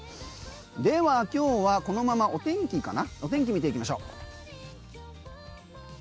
では今日はこのままお天気かなお天気見ていきましょう。